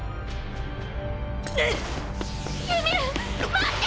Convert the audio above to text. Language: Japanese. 待って！！